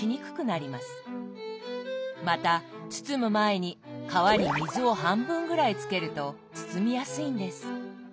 また包む前に皮に水を半分ぐらいつけると包みやすいんです。